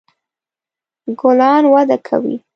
ګلان وده کوي